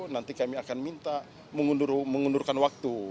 nanti kami akan minta mengundurkan waktu